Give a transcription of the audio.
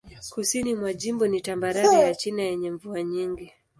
Kusini mwa jimbo ni tambarare ya chini yenye mvua nyingi.